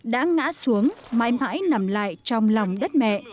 đã ngã xuống mãi mãi nằm lại trong lòng đất mẹ